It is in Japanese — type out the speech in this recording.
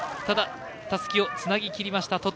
ただ、たすきをつなぎきりました。